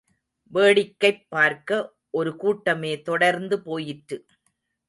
வேடிக்கைப் பார்க்க ஒரு கூட்டமே தொடர்ந்து போயிற்று.